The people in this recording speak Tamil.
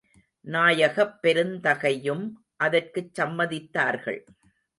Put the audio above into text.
நாயகப் பெருந்தகையும் அதற்குச் சம்மதித்தார்கள்.